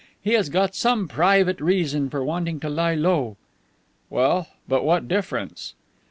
He has got some private reason for wanting to lie low." "Well, but what difference